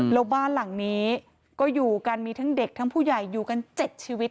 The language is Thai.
แล้วบ้านหลังนี้ก็อยู่กันมีทั้งเด็กทั้งผู้ใหญ่อยู่กัน๗ชีวิต